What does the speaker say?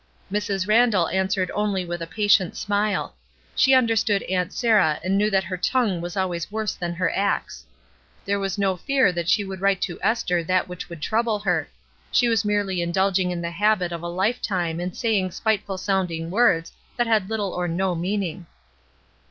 '* Mrs. Randall answered only with a patient smile ; she understood Aunt Sarah and knew that her tongue was always worse than her acts. There was no fear that she would write to Esther that which would trouble her; she was merely indulging in the habit of a lifetime and saying spiteful sounding words that had Uttle or no meaning.